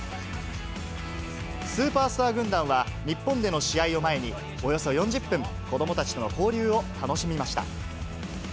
スーパースター軍団は、日本での試合を前に、およそ４０分、子どもたちとの交流を楽しみました。